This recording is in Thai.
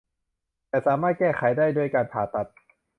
แต่สามารถแก้ไขได้ด้วยการผ่าตัด